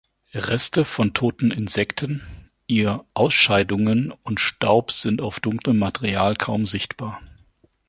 Reste von toten Insekten, ihr Ausscheidungen und Staub sind auf dunklem Material kaum sichtbar.